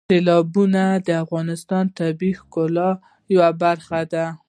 سیلابونه د افغانستان د طبیعت د ښکلا یوه برخه ده.